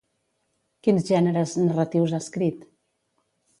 Quins gèneres narratius ha escrit?